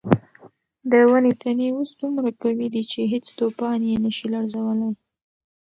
د ونو تنې اوس دومره قوي دي چې هیڅ طوفان یې نه شي لړزولی.